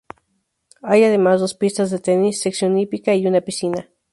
Hay además dos pistas de tenis, sección hípica y una piscina.